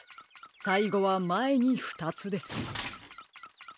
さいごはまえにふたつです。